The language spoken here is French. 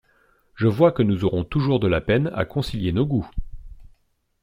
Je vois que nous aurons toujours de la peine à concilier nos goûts!